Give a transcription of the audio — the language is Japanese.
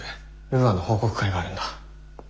ウーアの報告会があるんだ。